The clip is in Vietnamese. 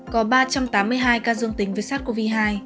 có ba trăm tám mươi hai ca dương tính với sars cov hai